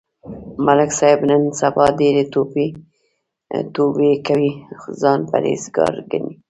ملک صاحب نن سبا ډېرې توبې کوي، ځان پرهېز گار گڼي.